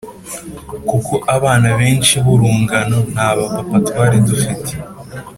kuko abana benshi burungano ntaba papa twaridufite.